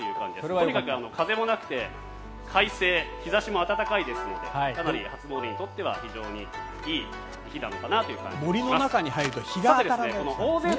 特に風もなくて快晴、日差しも暖かいですのでかなり初詣にとっては非常にいい日なのかなという感じがします。